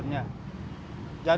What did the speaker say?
tapi diangkut sama di jalanan